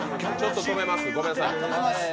止めます、ごめんなさい。